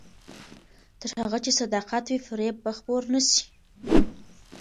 تر هغه چې صداقت وي، فریب به خپور نه شي.